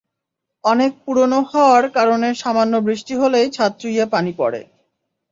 অনেক পুরোনো হওয়ার কারণে সামান্য বৃষ্টি হলেই ছাদ চুঁইয়ে পানি পড়ে।